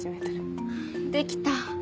できた。